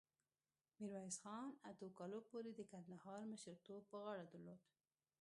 میرویس خان اتو کالو پورې د کندهار مشرتوب په غاړه درلود.